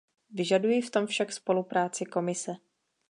Vyžaduji v tom však spolupráci Komise.